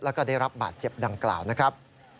แล้วก็ได้รับบาดเจ็บดังกล่าวนะครับ